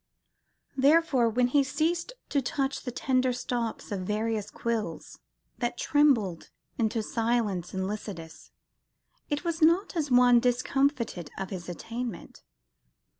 Therefore, when he ceased to touch the "tender stops of various quills" that trembled into silence in Lycidas, it was not as one discomfited of his attainment.